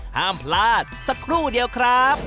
ห้ามพลาดสักครู่เดียวครับ